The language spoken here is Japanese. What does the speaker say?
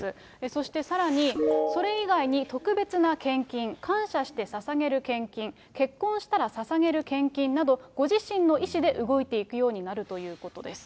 そしてさらに、それ以外に特別な献金、感謝してささげる献金、結婚したらささげる献金など、ご自身の意思で動いていくようになるということです。